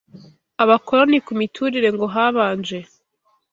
abakoloni ku miturire ngo habanje